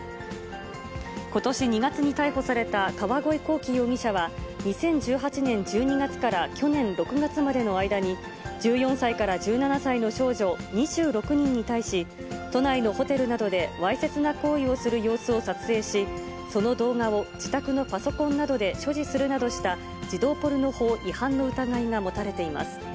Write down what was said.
ことし２月に逮捕された川鯉光起容疑者は、２０１８年１２月から去年６月までの間に、１４歳から１７歳の少女２６人に対し、都内のホテルなどでわいせつな行為をする様子を撮影し、その動画を自宅のパソコンなどで所持するなどした、児童ポルノ法違反の疑いが持たれています。